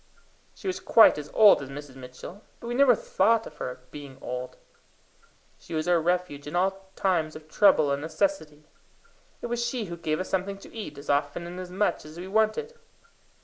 She was quite as old as Mrs. Mitchell, but we never thought of her being old. She was our refuge in all time of trouble and necessity. It was she who gave us something to eat as often and as much as we wanted.